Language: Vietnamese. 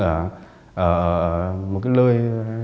ở một cái lơi